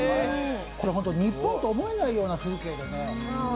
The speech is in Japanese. ホント、日本と思えないような風景でね。